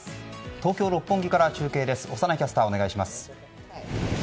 東京・六本木から中継です。